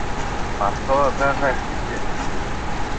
Μ' αυτό δε δέχθηκε.